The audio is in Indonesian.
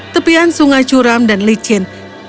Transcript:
tepian sungai curam dan licin